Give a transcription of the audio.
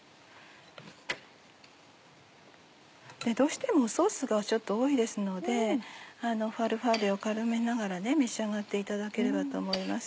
どうしてもソースがちょっと多いですのでファルファッレを絡めながら召し上がっていただければと思います。